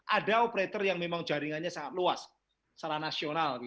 ada operator yang memang jaringannya sangat luas secara nasional